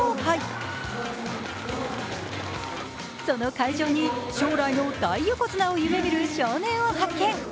その会場に、将来の大横綱を夢みる少年を発見。